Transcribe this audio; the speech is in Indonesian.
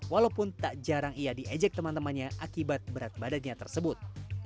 walaupun tak jarang ia diejek teman temannya akibat berat badannya tersebut